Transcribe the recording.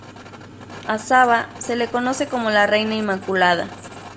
A Saba se le conoce como la Reina Inmaculada.